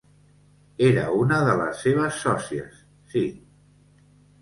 Era una de les seves sòcies, sí.